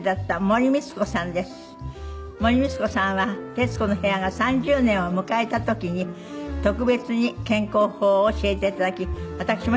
森光子さんは『徹子の部屋』が３０年を迎えた時に特別に健康法を教えて頂き私も挑戦しました。